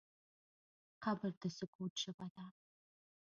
قبر د سکوت ژبه ده.